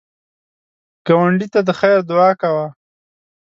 ګاونډي ته د خیر دعا کوه